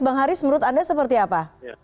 bang haris menurut anda seperti apa